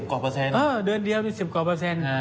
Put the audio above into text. โอ้เดือนเดียว๑๐กว่าเปอร์เซ็นต์